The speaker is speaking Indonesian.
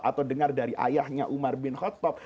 atau dengar dari ayahnya umar bin khattab